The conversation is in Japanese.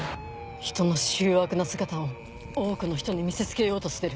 人の醜悪な姿を多くの人に見せつけようとしてる。